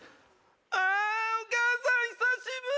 ああお母さん久しぶり！